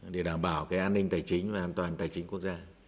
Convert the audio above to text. để đảm bảo cái an ninh tài chính và an toàn tài chính quốc gia